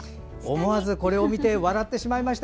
思わず、これを見て笑ってしまいました。